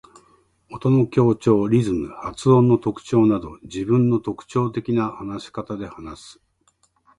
音の強調、リズム、発音の特徴など自分の特徴的な話し方で話す。